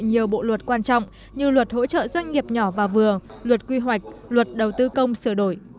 nhiều bộ luật quan trọng như luật hỗ trợ doanh nghiệp nhỏ và vừa luật quy hoạch luật đầu tư công sửa đổi